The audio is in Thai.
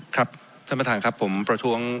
ครับท่านประธานครับผมประท้วง